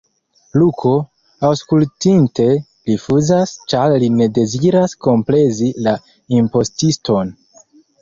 Luko, aŭskultinte, rifuzas, ĉar li ne deziras komplezi la impostiston.